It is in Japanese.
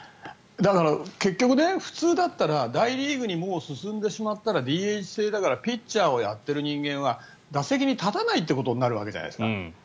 だから結局、普通だったら大リーグに進んでしまったらＤＨ制だからピッチャーをやってる人間は打席に立たないことになるじゃないですか。